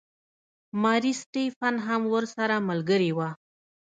ماري سټیفن هم ورسره ملګرې وه.